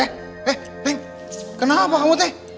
eh neng kenapa kamu teh